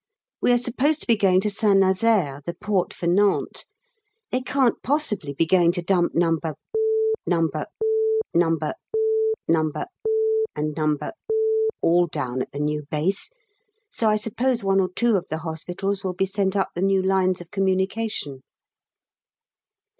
We are supposed to be going to St Nazaire, the port for Nantes. They can't possibly be going to dump No. , No. , No. , No. , and No. all down at the new base, so I suppose one or two of the hospitals will be sent up the new lines of communication.